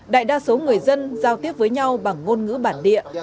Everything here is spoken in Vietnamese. đại đa số người dân giao tiếp với nhau bằng ngôn ngữ bản địa